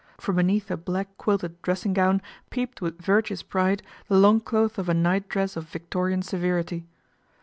From beneath a black quilted dressing gown peeped with virtuous pride the longcloth of a nightdress of Victorian severity.